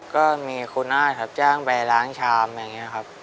ก็มีครูนาธแจ้งไปล้างชามอย่างนี้ครับ